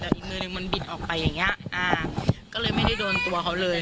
แต่อีกมือหนึ่งมันบิดออกไปอย่างเงี้อ่าก็เลยไม่ได้โดนตัวเขาเลย